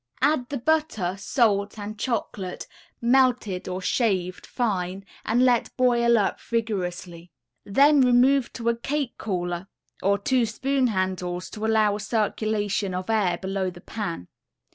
add the butter, salt and chocolate, melted or shaved fine, and let boil up vigorously, then remove to a cake cooler (or two spoon handles to allow a circulation of air below the pan).